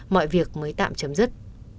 mọi việc mới tạm chấm dứt